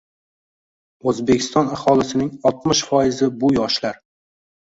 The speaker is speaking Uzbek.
Oʻzbekiston aholisining oltmish foizi – bu yoshlar.